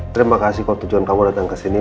terima kasih kalau tujuan kamu datang ke sini